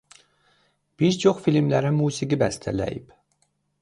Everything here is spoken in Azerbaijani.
Bir çox filmlərə musiqi bəstələyib.